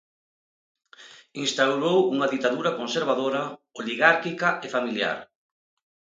Instaurou unha ditadura conservadora, oligárquica e familiar.